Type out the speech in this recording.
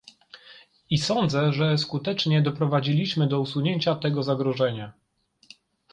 I sądzę, że skutecznie doprowadziliśmy do usunięcia tego zagrożenia